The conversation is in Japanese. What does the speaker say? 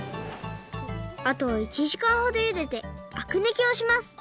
あとは１じかんほどゆででアクぬきをします。